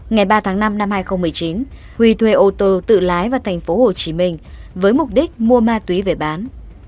ngày ba tháng năm năm hai nghìn một mươi chín huy thuê ô tô tự lái vào thành phố hồ chí minh với mục đích mua ma túy về bán